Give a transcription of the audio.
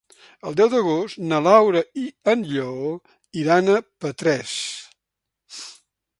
El deu d'agost na Laura i en Lleó iran a Petrés.